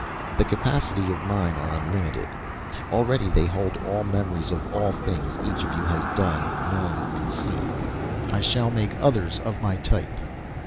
The capacity of mine are unlimited. Already they hold all memories of all the things each of you has done, known and seen. I shall make others of my type."